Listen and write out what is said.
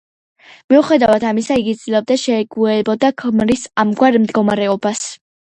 მიუხედავად ამისა იგი ცდილობდა შეგუებოდა ქმრის ამგვარ მდგომარეობას.